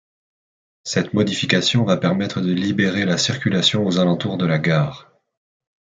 Cette modification va permettre de libérer la circulation aux alentours de la gare.